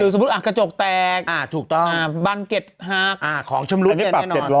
หรือสมมติอ่ะกระจกแตกบันเก็ดหักของชำรุดแน่นอน